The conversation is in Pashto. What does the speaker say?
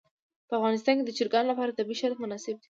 په افغانستان کې د چرګان لپاره طبیعي شرایط مناسب دي.